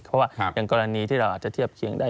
เพราะว่าอย่างกรณีที่เราอาจจะเทียบเคียงได้